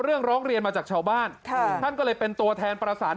ร้องเรียนมาจากชาวบ้านค่ะท่านก็เลยเป็นตัวแทนประสาน